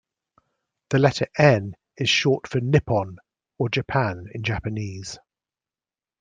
The letter 'N' is short for 'Nippon', or Japan in Japanese.